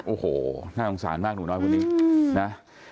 โอ้โหน่าสงสารมากหนูน้อยคนนี้นะ